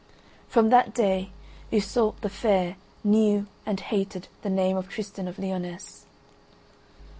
From that day Iseult the Fair knew and hated the name of Tristan of Lyonesse.